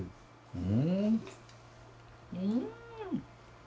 うん！